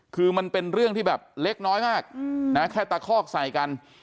คือมันเป็นเรื่องที่แบบเล็กน้อยมากนะแค่ตะคอกใส่กัน